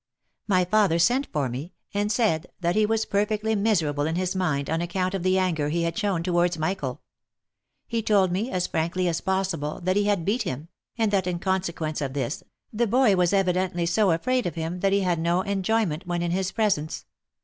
My father sent for me, and said, that he was perfectly miserable in his mind on account of the anger he had shown towards Michael. He told me, as frankly as possible, that he had beat him, and that in consequence of this, the boy was evidently so afraid of him that he had no enjoyment when in his presence.